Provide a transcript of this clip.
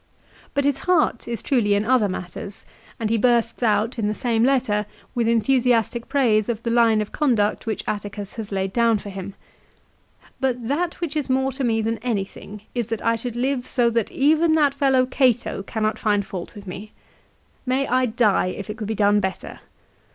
But his heart is truly in other matters, and he bursts out, in the same letter, with enthusiastic praise of the line of conduct which Atticus has laid down for him. " But that which is more to me than anything is that I should live so that even that fellow Cato cannot find fault with me. May I die, if it could be done better.